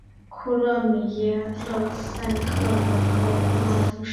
库勒米耶勒塞克人口变化图示